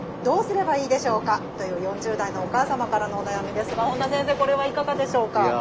どうすればいいでしょうか？」という４０代のお母様からのお悩みですが本田先生これはいかがでしょうか？